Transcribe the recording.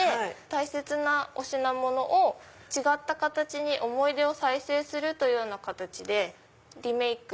大切なお品物を違った形に思い出を再生するような形でリメイク。